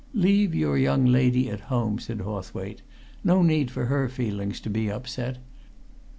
"Leave your young lady at home," said Hawthwaite. "No need for her feelings to be upset.